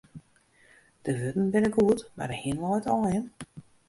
De wurden binne goed, mar de hin leit aaien.